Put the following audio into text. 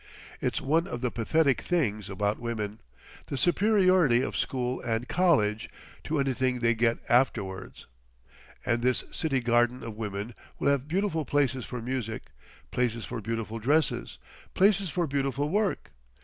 It's one of the pathetic things about women—the superiority of school and college—to anything they get afterwards. And this city garden of women will have beautiful places for music, places for beautiful dresses, places for beautiful work.